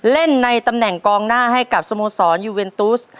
เล่นในตำแหน่งกองหน้าให้กับสโมสรยูเวนตูส